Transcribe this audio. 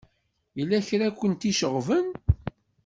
Yella kra i kent-iceɣben?